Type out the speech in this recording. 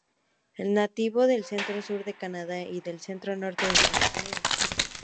Es nativo del centro-sur de Canadá y del centro-norte de Estados Unidos.